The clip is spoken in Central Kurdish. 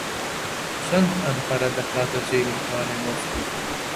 چەند ئەنقەرە دەکاتە جێی متمانەی مۆسکۆ؟